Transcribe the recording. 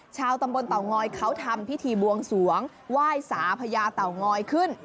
ชาวตำบลเต่างอยเขาทำพิธีบวงสวงไหว้สาพญาเต่างอยขึ้น